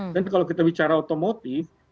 dan kalau kita bicara otomotif